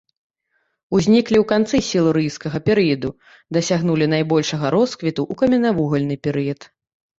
Узніклі ў канцы сілурыйскага перыяду, дасягнулі найбольшага росквіту ў каменнавугальны перыяд.